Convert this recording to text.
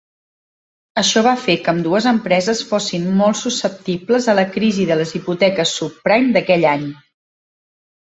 Això va fer que ambdues empreses fossin molt susceptibles a la crisi de les hipoteques subprime d"aquell any.